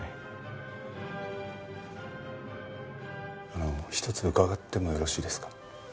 あの一つ伺ってもよろしいですか？